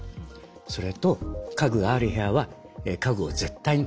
それと家具がある部屋は家具を絶対に固定する。